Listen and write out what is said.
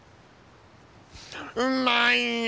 うまいよ。